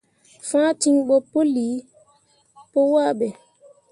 Fãa ciŋ ɓo puli pu wahbe.